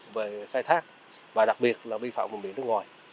về khai thác và đặc biệt là bi phạm quân biển nước ngoài